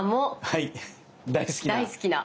はい大好きな。